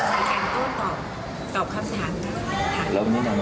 แต่เมื่อกี้ได้เล่นคุยกับน้องเขานะคะน้องเขาก็รับฟังเราได้ทุกประโยคเลย